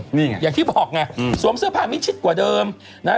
นี่ไงอย่างที่บอกไงสวมเสื้อผ้ามิดชิดกว่าเดิมนะฮะ